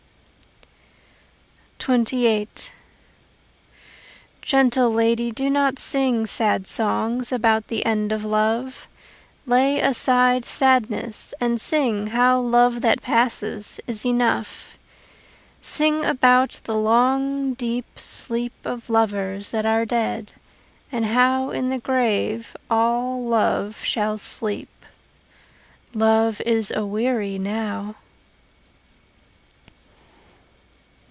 XXVIII Gentle lady, do not sing Sad songs about the end of love; Lay aside sadness and sing How love that passes is enough. Sing about the long deep sleep Of lovers that are dead, and how In the grave all love shall sleep: Love is aweary now.